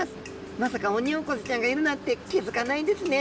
まさかオニオコゼちゃんがいるなんて気付かないんですね！